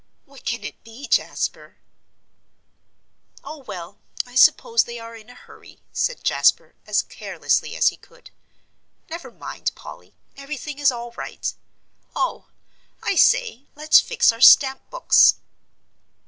"What can it be, Jasper?" "Oh, well, I suppose they are in a hurry," said Jasper, as carelessly as he could. "Never mind, Polly, everything is all right. Oh, I say, let's fix our stamp books."